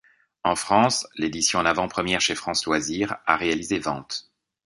En France, l'édition en avant-première chez France Loisirs a réalisé ventes.